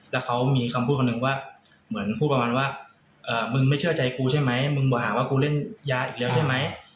แล้วเขามีคำพูดคนหนึ่งว่าเหมือนพูดประมาณว่ามึงไม่เชื่อใจกูใช่ไหมมึงมาหาว่ากูเล่นยาอีกแล้วใช่ไหม